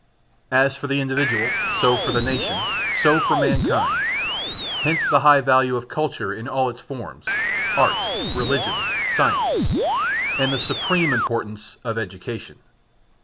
As for the individual, so for the nation, so for mankind. Hence the high value of culture in all its forms (art, religion, science) and the supreme importance of education.